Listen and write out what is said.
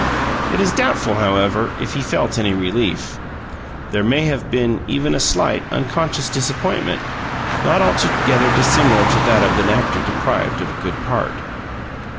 It is doubtful, however, if he felt any relief; there may have been even a slight, unconscious disappointment not altogether dissimilar to that of an actor deprived of a good part.